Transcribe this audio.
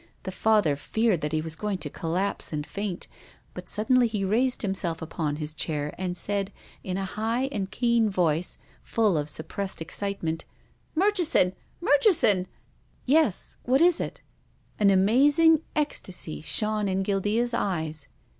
The Father feared that he was going to collapse and faint, but suddenly he raised himself PROFESSOR GUILDEA. 337 upon his chair and said, in a high and keen voice, full of suppressed excitement :" Murchison, Murchison !"" Yes. What is it ?" An amazing ecstasy shone in Guildea's eyes.